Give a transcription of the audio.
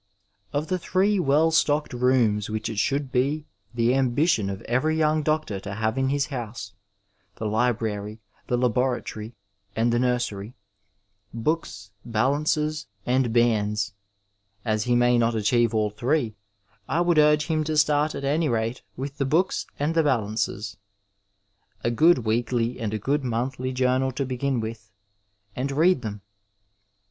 Of the three well stocked rooms which it should be the ambition of every young doctor to have in his house, the library, the laboratory, and the nursery — ^books, balances, and bairns — as he may not achieve all three, I would urge him to start at any rate with the books and the balances. A good weekly and a good monthly journal to begin with, and read them.